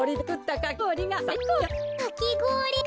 かきごおりか。